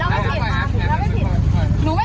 เราไม่ผิดเราไม่ผิดเราไม่ผิด